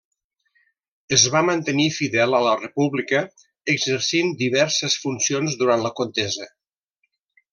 Es va mantenir fidel a la República, exercint diverses funcions durant la contesa.